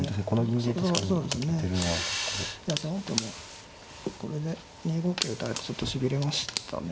本譜もこれで２五桂打たれてちょっとしびれましたね。